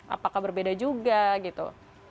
apakah berbeda juga gitu